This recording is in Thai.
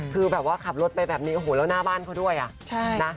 คือว่าขับรถไปแบบนี้เราหน้าบ้านพวก่อนด้วยละ